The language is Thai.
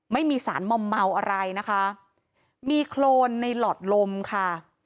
ไม่มีสารมอมเมาอะไรนะคะมีโครนในหลอดลมค่ะ